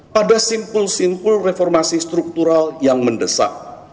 pada simpul simpul reformasi struktural yang mendesak